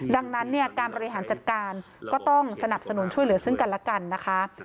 ดังนั้นเนี่ยการบริหารจัดการก็ต้องสนับสนุนช่วยเหลือซึ่งกันแล้วกันนะคะ